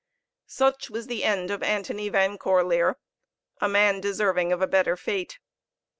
Such was the end of Antony Van Corlear a man deserving of a better fate.